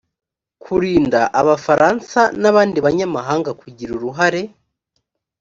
kurinda abafaransa n abandi banyamahanga kugira uruhare